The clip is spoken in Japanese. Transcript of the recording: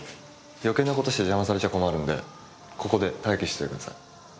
余計な事して邪魔されちゃ困るんでここで待機しててください。